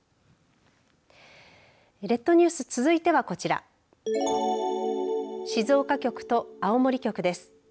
列島ニュース続いてはこちら静岡局と青森局です。